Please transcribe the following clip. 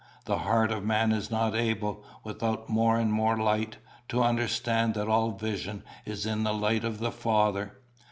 The heart of man is not able, without more and more light, to understand that all vision is in the light of the Father.